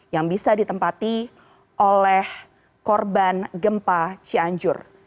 yang bisa ditempati oleh korban gempa cianjur